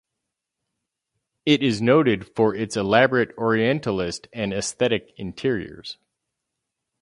It is noted for its elaborate Orientalist and aesthetic interiors.